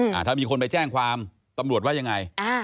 ถ้ามีคนไปแจ้งความตำรวจว่ายังไงอ่า